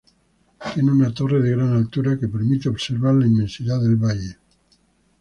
Tiene una torre de gran altura que permite observar la inmensidad del valle.